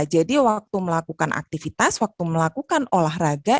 jadi waktu melakukan aktivitas waktu melakukan olahraga